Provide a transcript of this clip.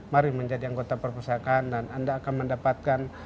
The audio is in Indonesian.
mari menjadi anggota perpustakaan dan anda akan mendapatkan